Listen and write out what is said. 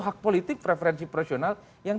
hak politik preferensi personal yang